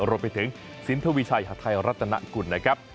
รวมไปถึงสินทวีชัยหาดไทยรัฐนากุลนะครับ